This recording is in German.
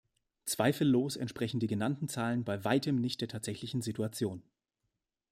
Zweifellos entsprechen die genannten Zahlen bei weitem nicht der tatsächlichen Situation.